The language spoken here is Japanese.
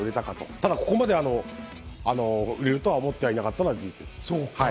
でも、ここまで売れるとは思っていなかったのは事実です。